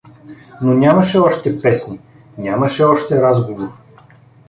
Но нямаше още песни, нямаше още разговор.